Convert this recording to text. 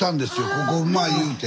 ここうまい言うて。